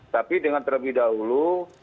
tapi dengan terlebih dahulu